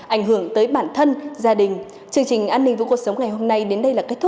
ảnh hưởng tới bản thân gia đình